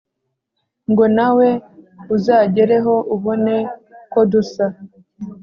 Ngo nawe uzagereho ubone ko dusa